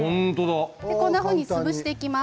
こんなふうに潰します。